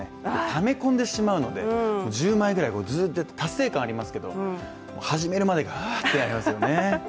ため込んでしまうので、１０枚ぐらいずっとやっていて達成感はありますけれども、始めるまでが、「あ」ってなりますよね。